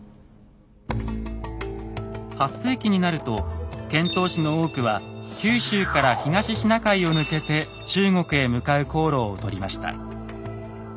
８世紀になると遣唐使の多くは九州から東シナ海を抜けて中国へ向かう航路をとりました。